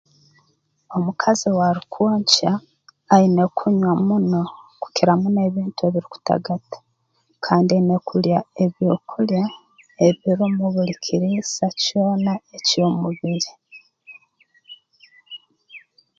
Omukazi owaarukwonkya aine kunywa muno kukira muno ebintu ebirukutagata kandi aine kulya ebyokulya ebirumu buli kiriisa kyona eky'omubiri